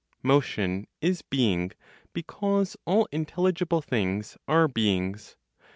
Motion is being, because all intelligible things are beings.